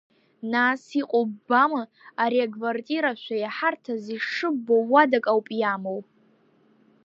Нас иҟоу ббама, ари аквартирашәа иҳарҭаз, ишыббо, уадак ауп иамоу.